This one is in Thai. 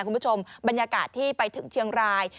คุณผู้ชมบรรยากาศที่ไปถึงเชียงราย